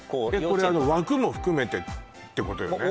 これあの枠も含めてってことよね？